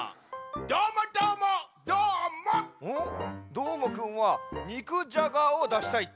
どーもくんはにくじゃがをだしたいって？